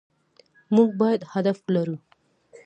مونږ بايد هدف ولرو